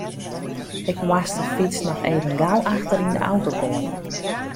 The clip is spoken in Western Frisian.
Ik moast de fyts noch even gau achter yn de auto goaie.